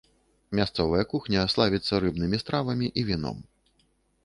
Мясцовая кухня славіцца рыбнымі стравамі і віном.